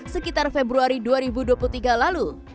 sekitar februari dua ribu dua puluh tiga lalu